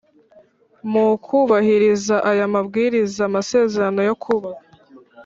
Mu kubahiriza aya mabwiriza amasezerano yo kubaka